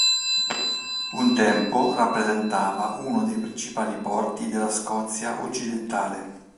Un tempo rappresentava uno dei principali porti della Scozia occidentale.